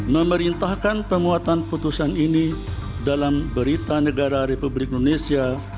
memerintahkan penguatan putusan ini dalam berita negara republik indonesia